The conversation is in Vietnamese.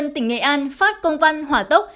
tỉnh nghệ an phát công văn hỏa tốc